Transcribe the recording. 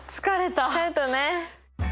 疲れたね！